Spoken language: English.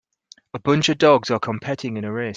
A bunch of dogs are competing in a race.